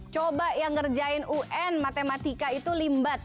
coba yang ngerjain un matematika itu limbat